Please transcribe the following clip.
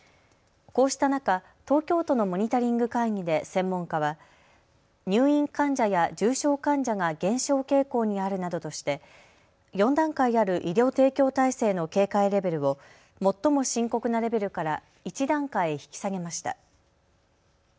こうした中、東京都のモニタリング会議で専門家は入院患者や重症患者が減少傾向にあるなどとして４段階ある医療提供体制の警戒レベルを最も深刻なレベルから１段階引き下げました。